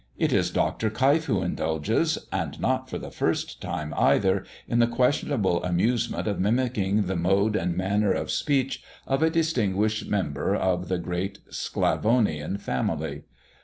It is Dr. Keif who indulges, and not for the first time either, in the questionable amusement of mimicking the mode and manner of speech of a distinguished member of the great Sclavonian family.